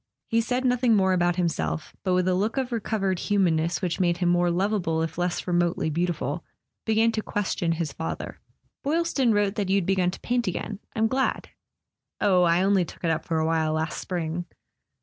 He said nothing more about himself, but with the look of recovered humanness which made him more lovable if less remotely beautiful, began to question his father. "Boylston wrote that you'd begun to paint again. I'm glad." "Oh, I only took it up for a while last spring."